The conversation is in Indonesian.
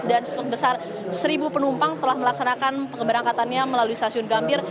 dan sebesar seribu penumpang telah melaksanakan perberangkatannya melalui sasyun gambir